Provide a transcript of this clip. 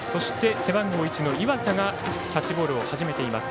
背番号１の岩佐がキャッチボールを始めています。